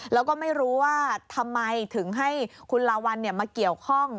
แล้วก็ไม่รู้ว่าทำไมถึงให้คุณลาวัลมาเกี่ยวข้อง